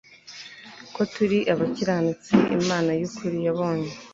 ko turi abakiranutsi imana y ukuri yabonye